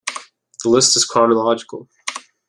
This list is chronological.